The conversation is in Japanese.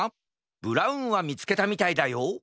ブラウンはみつけたみたいだよ